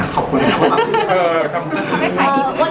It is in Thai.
ขอบคุณครับ